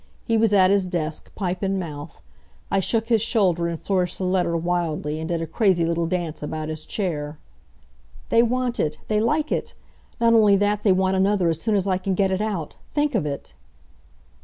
He was at his desk, pipe in mouth. I shook his shoulder and flourished the letter wildly, and did a crazy little dance about his chair. "They want it! They like it! Not only that, they want another, as soon as I can get it out. Think of it!"